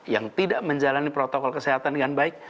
yang tidak menjalani protokol kesehatan dengan baik